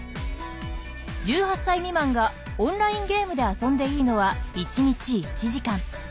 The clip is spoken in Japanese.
１８歳未満がオンラインゲームで遊んでいいのは一日１時間。